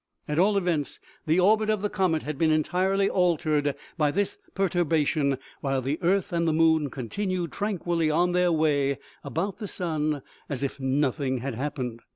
At all events, the orbit of the comet had been entirely altered by this perturbation, while the earth and the moon continued tranquilly on their way about the sun, as if nothing had happened.